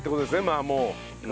まあもう。